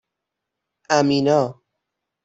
امینا